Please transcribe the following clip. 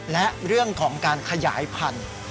และเรื่องของการขยายพันธุ์